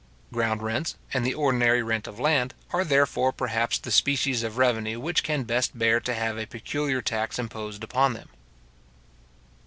Ground rents, and the ordinary rent of land, are therefore, perhaps, the species of revenue which can best bear to have a peculiar tax imposed upon them.